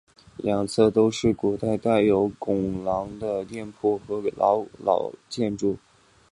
两侧都是古老的带有拱廊的店铺和老建筑。